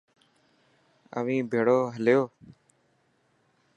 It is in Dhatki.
اوهين ڀيڙو هليو.